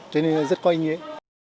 cho nên là rất có ý nghĩa